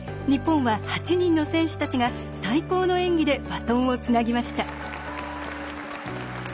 日本は８人の選手たちが最高の演技でバトンをつなぎました。